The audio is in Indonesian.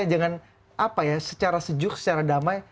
dengan apa ya secara sejuk secara damai